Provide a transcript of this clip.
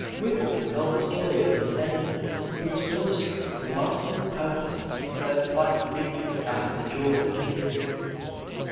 Whipple tells a story of Masséna which illustrates the masterful purpose that plucks victory out of the jaws of defeat.